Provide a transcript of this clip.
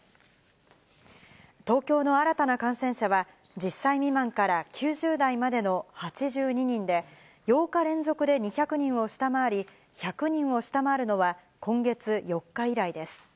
東京の新たな感染者は、１０歳未満から９０代までの８２人で、８日連続で２００人を下回り、１００人を下回るのは今月４日以来です。